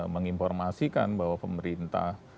menginformasikan bahwa pemerintah